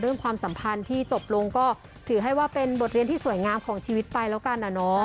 ความสัมพันธ์ที่จบลงก็ถือให้ว่าเป็นบทเรียนที่สวยงามของชีวิตไปแล้วกันอะเนาะ